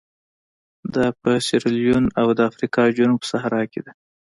دا په سیریلیون او د افریقا جنوب صحرا کې ده.